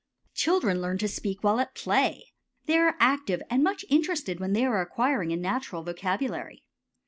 Children learn to speak while at play. They are active and much interested when they are acquiring a natural vocabulary.